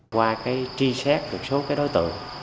qua cái tri xét một số cái đối tượng